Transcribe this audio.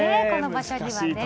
この場所にはね。